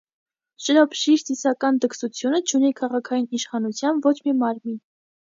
Շրոփշիր ծիսական դքսությունը չունի քաղաքային իշխանության ոչ մի մարմին։